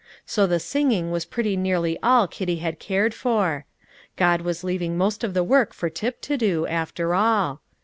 So the singing was pretty nearly all Kitty had cared for. God was leaving most of the work for Tip to do, after all.